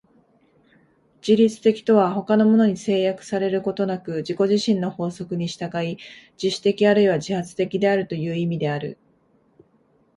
自律的とは他のものに制約されることなく自己自身の法則に従い、自主的あるいは自発的であるという意味である。